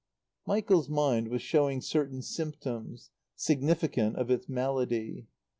Michael's mind was showing certain symptoms, significant of its malady.